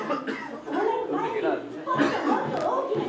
そうなる前にもっともっと大きな事件を手掛けて。